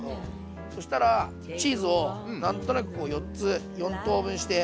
そしたらチーズを何となくこう４つ４等分して。